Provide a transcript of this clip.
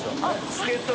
助っ人！？